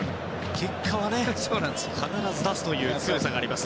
結果は必ず出すという強さはあります。